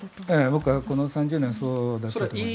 僕はこの３０年そうだったと思います。